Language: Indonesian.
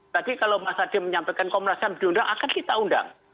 tadi kalau mas adi menyampaikan komnas ham diundang akan kita undang